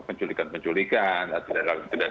penculikan penculikan tidak ada